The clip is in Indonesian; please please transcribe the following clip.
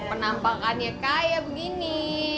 penampakannya kayak begini